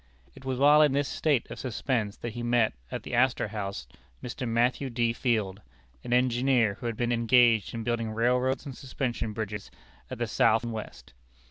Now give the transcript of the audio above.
It was while in this state of suspense that he met, at the Astor House, Mr. Matthew D. Field, an engineer who had been engaged in building railroads and suspension bridges at the South and West.